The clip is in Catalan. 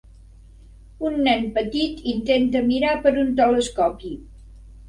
Un nen petit intenta mirar per un telescopi.